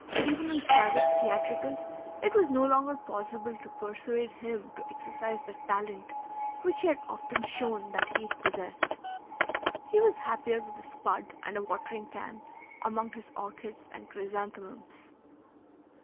Even in private theatricals it was no longer possible to persuade him to exercise the talent which he had often shown that he possessed. He was happier with a spud and a watering can among his orchids and chrysanthemums.